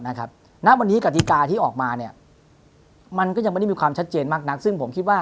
วันนี้กฎิกาที่ออกมามันก็ยังไม่มีความชัดเจนมากนัก